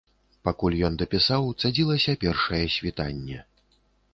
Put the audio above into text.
Пакуль ён дапісаў, цадзілася першае світанне.